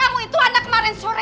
kamu itu ada kemarin sore